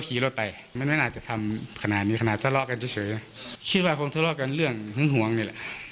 คิดว่าคงส้มได้กับเรื่องหึ้งหวังเนี่ยแหละ